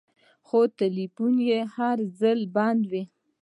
خو ټېلفون به يې هر ځل بند و.